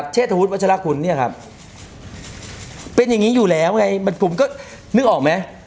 เชษฐฮุทธ์วัชลาคุณเป็นอย่างนี้อยู่แล้วไงมันผมก็นึกออกไหม